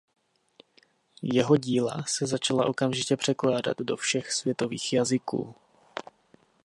Jeho díla se začala okamžitě překládat do všech světových jazyků.